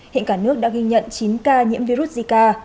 hiện cả nước đã ghi nhận chín ca nhiễm virus zika